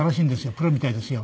プロみたいですよ。